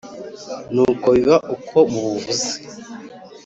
nuko biba uko mubuvuze